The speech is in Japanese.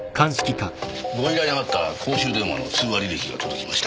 ご依頼があった公衆電話の通話履歴が届きました。